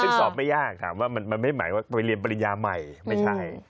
ซึ่งสอบไม่ยากถามว่ามันไม่หมายว่าไปเรียนปริญญาใหม่ไม่ใช่